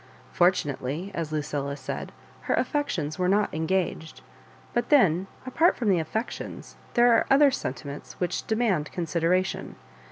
Fortunately, as Lucilla said, her affec tions were not engaged; but then, apart from the affections, there are other sentiments which demand consideration.